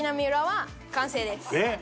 えっ？